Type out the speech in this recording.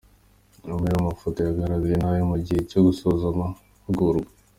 Amwe rero mu mafoto yagaragaye n’ayo mu gihe cyo gusoza amahugurwa.